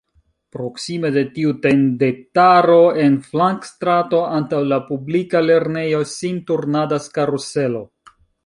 Proksime de tiu tendetaro, en flankstrato antaŭ la publika lernejo sin turnadas karuselo.